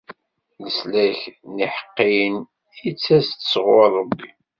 Leslak n yiḥeqqiyen ittas-d sɣur Rebbi.